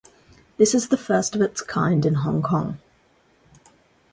This is the first of its kind in Hong Kong.